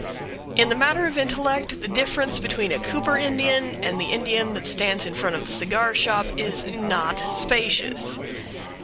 In the matter of intellect, the difference between a Cooper Indian and the Indian that stands in front of the cigarshop is not spacious.